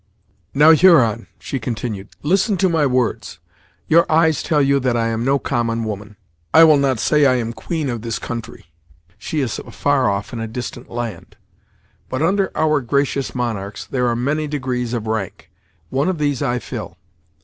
"Now, Huron," she continued, "listen to my words. Your eyes tell you that I am no common woman. I will not say I am queen of this country; she is afar off, in a distant land; but under our gracious monarchs, there are many degrees of rank; one of these I fill.